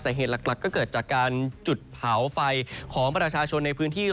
เหตุหลักก็เกิดจากการจุดเผาไฟของประชาชนในพื้นที่